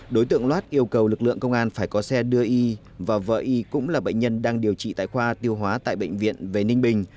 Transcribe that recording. đối tượng loát yêu cầu lực lượng công an phải có xe đưa y và vợ y cũng là bệnh nhân đang điều trị tại khoa tiêu hóa tại bệnh viện về ninh bình